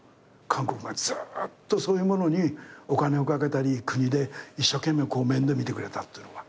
韓国がずーっとそういうものにお金をかけたり国で一生懸命面倒見てくれたっていうのは。